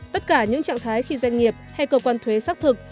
tất cả những trạng thái khi doanh nghiệp hay cơ quan thuế xác thực